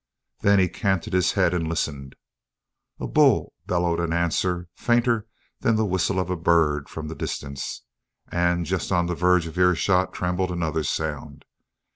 Then he canted his head and listened. A bull bellowed an answer fainter than the whistle of a bird from the distance, and just on the verge of earshot trembled another sound.